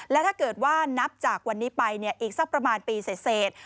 และถ้าเกิดว่านับจากวันนี้ไปอีกสักประมาณปีเสร็จ